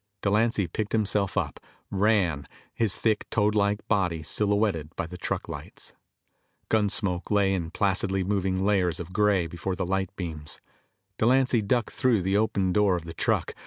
Delancy picked himself up, ran, his thick, toadlike body silhouetted by the truck lights. Gun smoke lay in placidly moving layers of gray before the light beams. Delancy ducked through the open door of the truck.